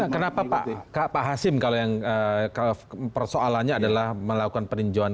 kenapa pak hasim kalau yang persoalannya adalah melakukan peninjauan